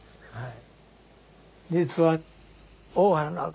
はい。